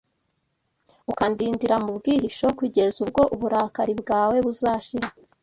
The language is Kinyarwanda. Ukandindira mu bwihisho kugeza ubwo uburakari bwawe buzashira